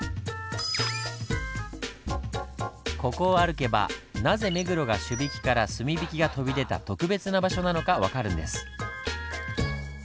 ここを歩けばなぜ目黒が朱引から墨引が飛び出た特別な場所なのか分かるんです。